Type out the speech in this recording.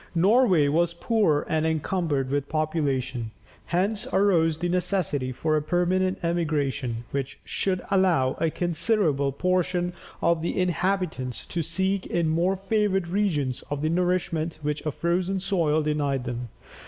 Norway was poor and encumbered with population. Hence arose the necessity for a permanent emigration, which should allow a considerable portion of the inhabitants to seek in more favoured regions the nourishment which a frozen soil denied them.